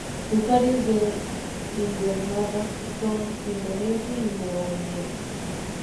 Sus áreas de invernada son Indonesia y Nueva Guinea.